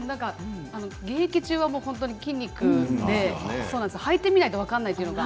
現役中は筋肉ではいてみないと分からないというのが。